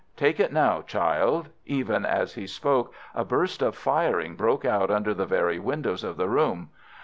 Take it now, child." Even as he spoke, a burst of firing broke out under the very windows of the room.